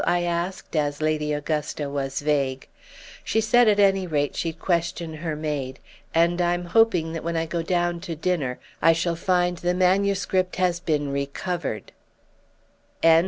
I asked as Lady Augusta was vague. She said at any rate she'd question her maid; and I'm hoping that when I go down to dinner I shall find the manuscript has been recovered."